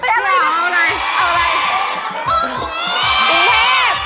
กรุงเทพ